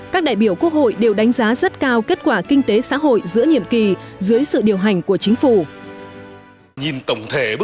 các đại biểu quốc hội đều đánh giá rất cao kết quả kinh tế xã hội giữa nhiệm kỳ dưới sự điều hành của chính phủ